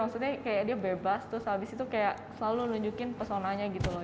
maksudnya kayak dia bebas terus abis itu kayak selalu nunjukin pesonanya gitu loh